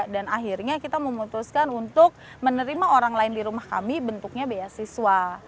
dan akhirnya kita memutuskan untuk menerima orang lain di rumah kami bentuknya beasiswa